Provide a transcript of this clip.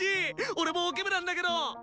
俺もオケ部なんだけど！